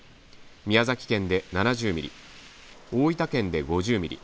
宮崎県で７０ミリ大分県で５０ミリ